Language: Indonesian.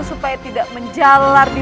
supaya tidak terjadi